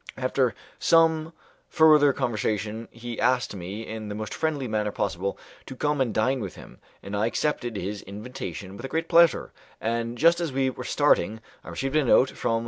After some further conversation he asked me, in the most friendly manner possible, to come and dine with him, and I accepted his invitation with a great pleasure; and just as we were starting I received a note from M.